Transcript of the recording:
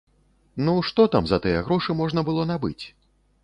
Ну, што там за тыя грошы можна было набыць?